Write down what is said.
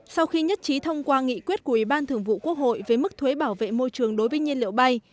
sau khi nhất trí thông qua nghị quyết của ủy ban thường vụ quốc hội về mức thuế bảo vệ môi trường đối với nhiên liệu bay